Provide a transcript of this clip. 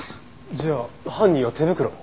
じゃあ犯人は手袋を？